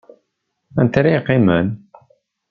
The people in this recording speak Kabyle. Anta ara yeqqimen?